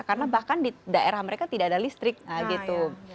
karena bahkan di daerah mereka tidak ada listrik gitu